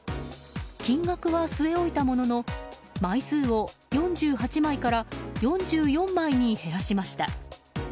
金額は据え置いたものの、枚数を４８枚から４４枚に減らしました。